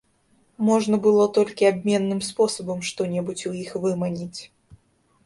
Можна было толькі абменным спосабам што-небудзь у іх выманіць.